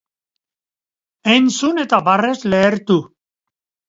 Entzun eta barrez lehertu!